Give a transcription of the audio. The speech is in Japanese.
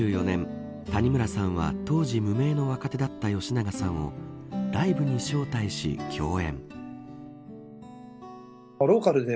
２０１４年、谷村さんは当時無名の若手だった吉永さんをライブに招待し共演。